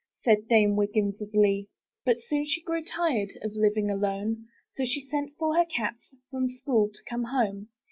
*' Said Dame Wiggins of Lee. But soon she grew tired Of Hving alone; So she sent for her cats From school to come home.